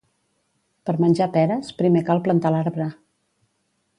Per menjar peres, primer cal plantar l'arbre.